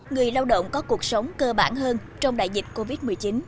người lao động có cuộc sống cơ bản hơn trong đại dịch covid một mươi chín